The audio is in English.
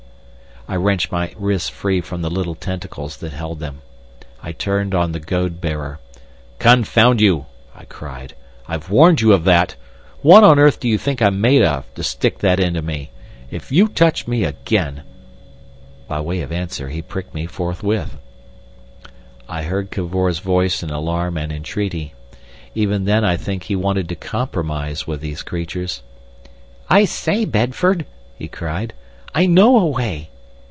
I wrenched my wrists free from the little tentacles that held them. I turned on the goad bearer. "Confound you!" I cried. "I've warned you of that. What on earth do you think I'm made of, to stick that into me? If you touch me again—" By way of answer he pricked me forthwith. I heard Cavor's voice in alarm and entreaty. Even then I think he wanted to compromise with these creatures. "I say, Bedford," he cried, "I know a way!"